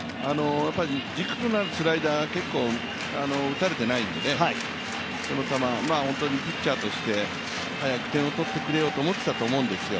軸となるスライダーが結構、打たれていないので、本当にピッチャーとして早く点を取ってくれよと思っていたと思うんですよ。